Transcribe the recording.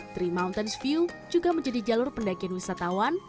tiga mountains view juga menjadi jalur pendakian wisatawan